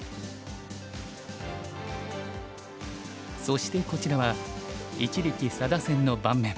そしてこちらは一力・佐田戦の盤面。